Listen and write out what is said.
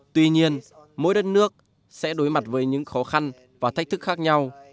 tuy nhiên mỗi đất nước sẽ đối mặt với những khó khăn và thách thức khác nhau